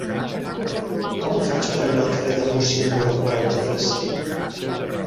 Com ho faig per anar al carrer de Múrcia número quaranta-tres?